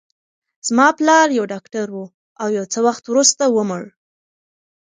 زما پلار یو ډاکټر و، او یو څه وخت وروسته ومړ.